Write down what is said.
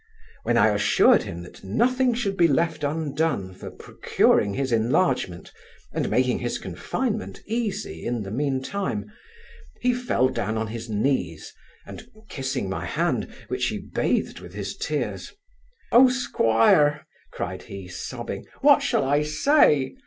When I assured him, that nothing should be left undone for procuring his enlargement, and making his confinement easy in the mean time, he fell down on his knees, and kissing my hand, which he bathed with his tears, '0 'squire! (cried he, sobbing) what shall I say?